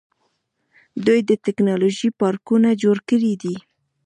دوی د ټیکنالوژۍ پارکونه جوړ کړي دي.